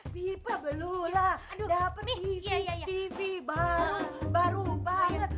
pipa belula dapet tv tv baru baru banget